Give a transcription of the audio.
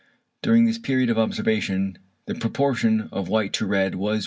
During this period of observation the proportion of white to red was 1:1.